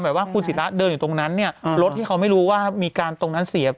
ว่าคุณศิราเดินอยู่ตรงนั้นเนี่ยรถที่เขาไม่รู้ว่ามีการตรงนั้นเสีย